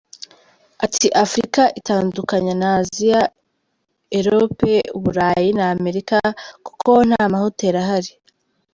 Ati “Afurika itandukanye na Asia, Europe, Uburayi na Amerika, kuko nta mahoteli ahari.